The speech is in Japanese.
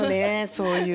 そういう。